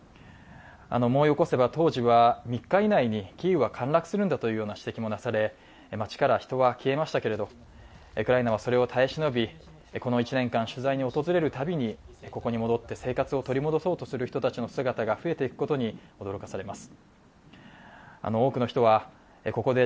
思い起こせば当時は、３日以内に、キーウは陥落するんだというような指摘もなされ街から人が消えましたけれどウクライナは耐え忍び、この１年間取材に訪れるたびにここに戻って生活を取り戻そうとする人たちの姿が増えていくことに驚かされます。